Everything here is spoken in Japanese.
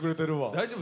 大丈夫？